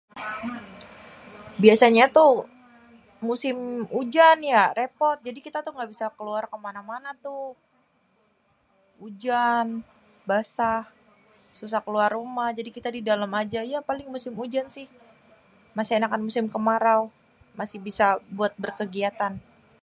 Biasanya tuh musim ujan yak rèpot. Jadi kita tuh nggak bisa keluar ke mana-mana tuh. Ujan, basah, susah keluar rumah. Jadi kita di dalêm aja ya paling musin ujan sih. Masih ènakan musim kemarau. Masih bisa buat bêrkegiatan.